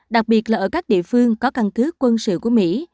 đặc biệt là ở các địa phương có căn cứ quân sự của mỹ